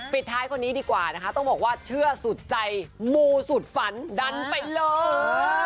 ปิดท้ายคนนี้ดีกว่านะคะต้องบอกว่าเชื่อสุดใจมูสุดฝันดันไปเลย